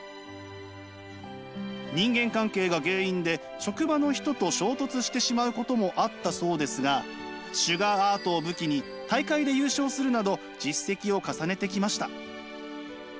人間関係が原因で職場の人と衝突してしまうこともあったそうですがシュガーアートを武器に大会で優勝するなど実績を重ねてきました。